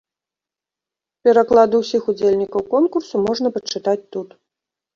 Пераклады ўсіх удзельнікаў конкурсу можна пачытаць тут.